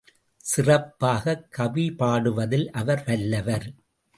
சிறப்பாகக் கவி பாடுவதில் அவர் வல்லவர்.